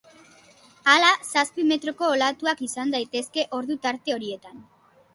Hala, zazpi metroko olatuak izan daitezke ordu tarte horietan.